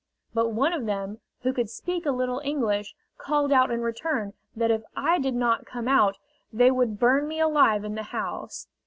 But one of them, who could speak a little English, called out in return that if I did not come out they would burn me alive in the house.